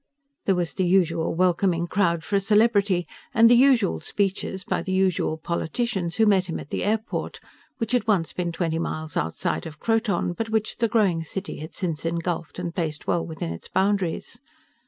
_ There was the usual welcoming crowd for a celebrity, and the usual speeches by the usual politicians who met him at the airport which had once been twenty miles outside of Croton, but which the growing city had since engulfed and placed well within its boundaries.